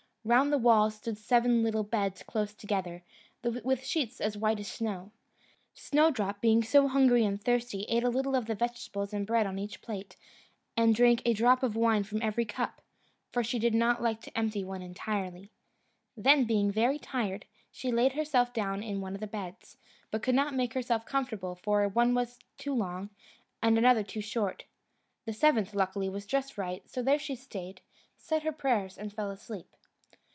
Round the walls stood seven little beds close together, with sheets as white as snow. Snowdrop being so hungry and thirsty, ate a little of the vegetables and bread on each plate, and drank a drop of wine from every cup, for she did not like to empty one entirely. Then, being very tired, she laid herself down in one of the beds, but could not make herself comfortable, for one was too long, and another too short. The seventh, luckily, was just right; so there she stayed, said her prayers, and fell asleep.